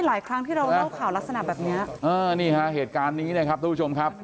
หลายครั้งที่เราเล่าข่าวลักษณะแบบเนี้ยเออนี่ฮะเหตุการณ์นี้นะครับทุกผู้ชมครับ